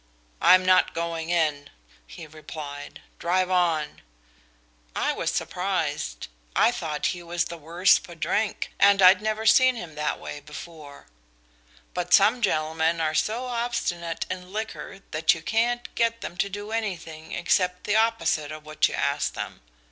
'I'm not going in,' he replied, 'drive on.' I was surprised. I thought he was the worse for drink, and I'd never seen him that way before. But some gentlemen are so obstinate in liquor that you can't get them to do anything except the opposite of what you ask them.